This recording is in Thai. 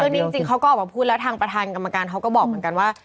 นี่จริงเขาก็ออกมาพูดแล้วทางประธานกรรมการเขาก็บอกเหมือนกันว่า